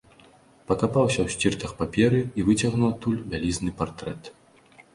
Пакапаўся ў сціртах паперы і выцягнуў адтуль вялізны партрэт.